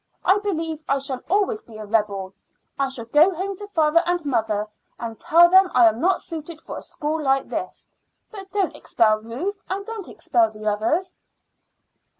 I believe I shall always be a rebel. I shall go home to father and mother and tell them I am not suited for a school like this. But don't expel Ruth, and don't expel the others."